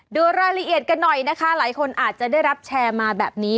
ดูรายละเอียดกันหน่อยนะคะหลายคนอาจจะได้รับแชร์มาแบบนี้